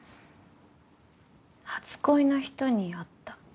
初恋の人に会った。